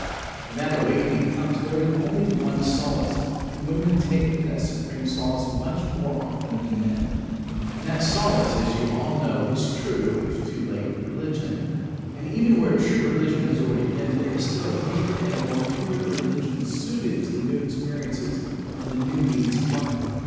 When that awakening comes there is only one solace, and women take to that supreme solace much more often than men. And that solace, as you all know, is true, if too late, religion. And even where true religion has already been, there is still a deeper and a more inward religion suited to the new experiences and the new needs of life.